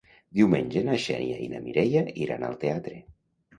Diumenge na Xènia i na Mireia iran al teatre.